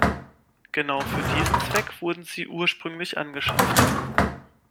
Genau für diesen Zweck wurden sie ursprünglich angeschafft.